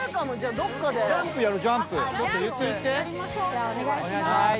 じゃあお願いしまーす。